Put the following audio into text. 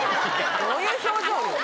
どういう表情？